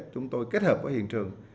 chúng tôi kết hợp với hiện trường